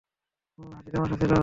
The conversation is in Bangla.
হুম, হাসি তামাশা ছিল।